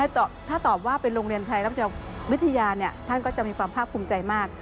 ถ้าตอบว่าเป็นโรงเรียนไทยรัฐวิทยาท่านก็จะมีความภาคภูมิใจมาก